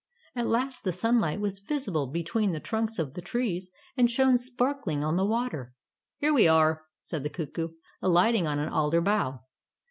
At last the sunlight was visible between the trunks of the trees, and shone sparkling on the water. "Here we are," said the cuckoo, alighting on an alder bough.